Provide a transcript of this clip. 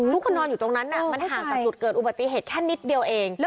ทุกคนนอนอยู่ตรงนั้นมันห่างจากจุดเกิดอุบัติเหตุแค่นิดเดียวเอง